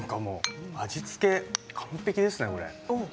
味付け、完璧ですね。